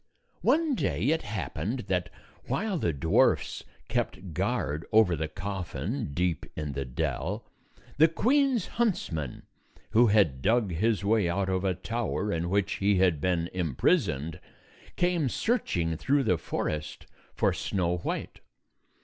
One day it happened that, while the dwarfs kept guard over the coffin, deep in the dell, the queen's huntsman, who had dug his way out of the tower in which he had been imprisoned, came searching through the forest for Snow White.